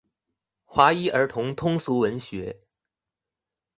華一兒童通俗文學